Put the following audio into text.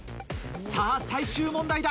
さぁ最終問題だ。